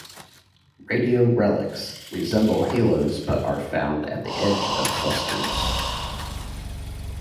Radio relics resemble haloes but are found at the edge of clusters.